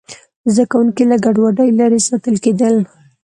زده کوونکي له ګډوډۍ لرې ساتل کېدل.